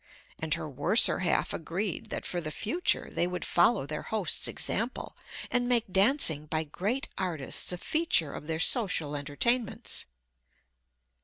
And her worser half agreed that for the future they would follow their host's example, and make dancing by great artists a feature of their social entertainments.